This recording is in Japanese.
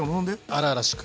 荒々しく？